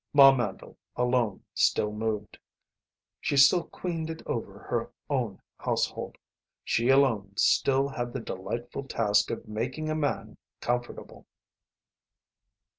Ma Mandle alone still moved. She still queened it over her own household; she alone still had the delightful task of making a man comfortable.